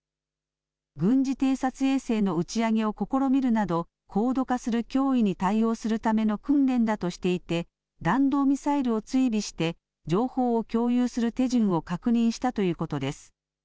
軍事偵察衛星の打ち上げを試みるなど、高度化する脅威に対応するための訓練だとしていて、弾道ミサイルを追尾して、情報を共有する手順を確認したということです。